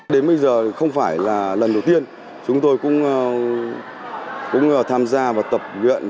đến bây giờ không phải là lần đầu tiên chúng tôi cũng tham gia và tập luyện